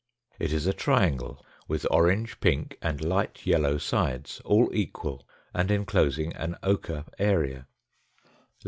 It is a triangle with orange, pink, and light yellow sides, all equal, and enclosing an ochre area.